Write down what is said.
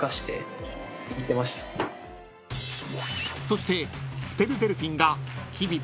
［そしてスペル・デルフィンが日々］